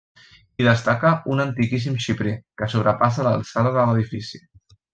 Hi destaca un antiquíssim xiprer que sobrepassa l'alçada de l'edifici.